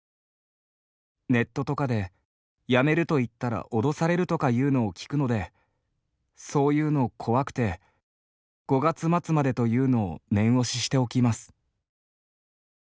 「ネットとかで辞めると言ったら脅されるとか言うのを聞くのでそう言うの怖くて５月末までと言うのを念押ししておきます。」